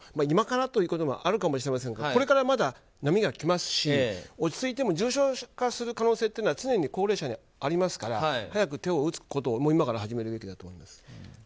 今からということもあるかもしれませんがこれから波がきますし落ち着いても重症化する可能性っていうのは常に高齢者にありますから早く手を打つことを今から始めるべきだと思います。